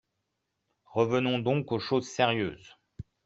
Revenons donc aux choses sérieuses.